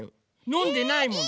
のんでないもの。